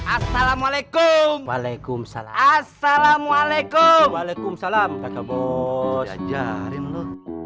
assalamualaikum waalaikumsalam waalaikumsalam waalaikumsalam